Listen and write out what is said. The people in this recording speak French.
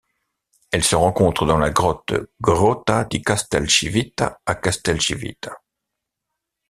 Elle se rencontre dans la grotte Grotta di Castelcivita à Castelcivita.